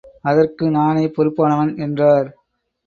அதற்கு நானே பொறுப்பானவன்! என்றார்.